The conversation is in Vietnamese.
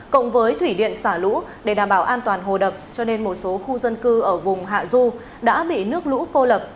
cộng với thủy điện xả lũ để đảm bảo an toàn hồ đập cho nên một số khu dân cư ở vùng hạ du đã bị nước lũ cô lập